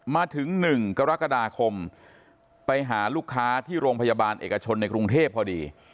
มาถึง๑กรกฎาคมไปหาลูกค้าที่โรงพยาบาลเอกชนในกรุงเทพพอดี